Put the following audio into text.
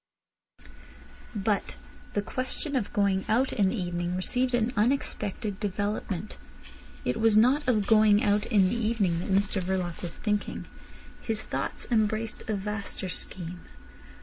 But the question of going out in the evening received an unexpected development. It was not of going out in the evening that Mr Verloc was thinking. His thoughts embraced a vaster scheme.